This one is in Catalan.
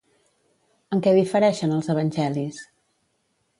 En què difereixen els evangelis?